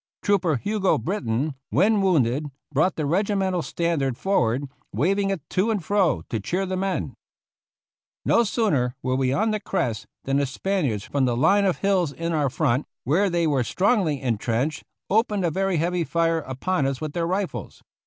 Trooper Hugo Brittain, when wounded, brought the regi mental standard forward, waving it to and fro, to cheer the men. 133 THE ROUGH RIDERS No sooner were we on the crest than the Span iards from the line of hills in our front, where they were strongly intrenched, opened a very heavy fire upon us with their rifles.